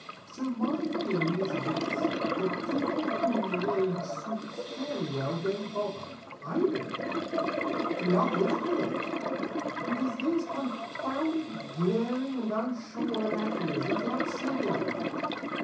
So my theory is this: the people whom the age suits fairly well don't bother I don't bother; the others do. It is these confounded glaring and unshorn anachronisms that upset everything.